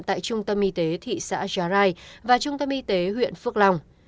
tại trung tâm y tế thị xã giá rai và trung tâm y tế huyện phước long